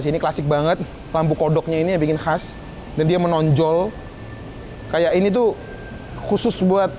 sini klasik banget lampu kodoknya ini bikin khas dan dia menonjol kayak ini tuh khusus buat